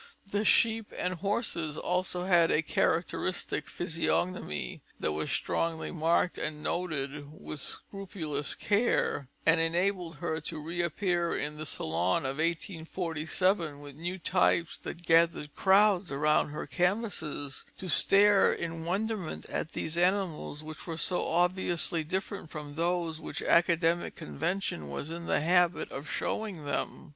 The sheep and horses also had a characteristic physiognomy that was strongly marked and noted with scrupulous care, and enabled her to reappear in the Salon of 1847 with new types that gathered crowds around her canvases, to stare in wonderment at these animals which were so obviously different from those which academic convention was in the habit of showing them.